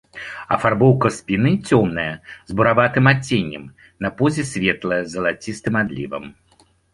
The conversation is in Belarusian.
Афарбоўка спіны цёмная, з бураватым адценнем, на пузе светлая, з залацістым адлівам.